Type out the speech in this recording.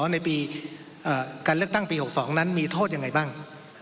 ในปีการเลือกตั้งปี๖๒นั้นมีโทษยังไงบ้าง